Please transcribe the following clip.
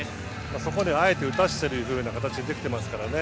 そこにあえて打たせている形ができていますからね。